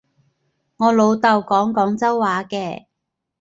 我老豆講廣州話嘅